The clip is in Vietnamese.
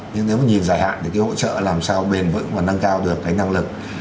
nhưng nếu mà nhìn dài hạn thì cái hỗ trợ làm sao bền vững và nâng cao được cái năng lực